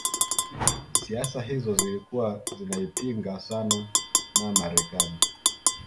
siasa hizo zilikuwa zinaipinga sana na Marekani